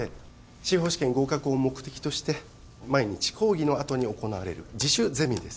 司法試験合格を目的として毎日講義の後に行われる自主ゼミです。